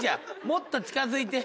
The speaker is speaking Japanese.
もっと近づいて。